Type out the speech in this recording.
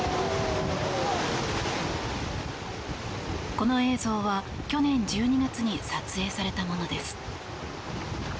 この映像は去年１２月に撮影されたものです。